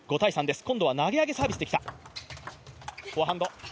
今度は投げ上げサービスできた。